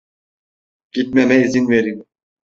Gitmeme izin verin.